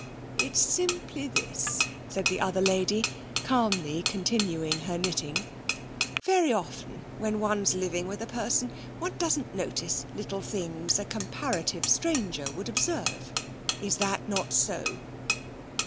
'It is simply this,' said the other lady, calmly continuing her knitting.... 'Very often when one's living with a person, one doesn't notice little things a comparative stranger would observe. Is that not so?'